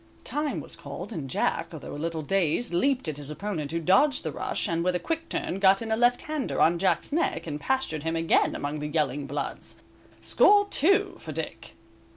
Time was called, and Jack, although a little dazed, leaped at his opponent, who dodged the rush, and with a quick turn got in a left hander on Jack's neck, and pastured him again among the yelling bloods. Score two for Dick.